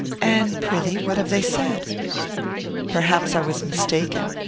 "And, pr'ythee, what have they said?" "Perhaps I was mistaken.